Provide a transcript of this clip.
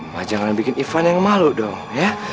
wah jangan bikin ivan yang malu dong ya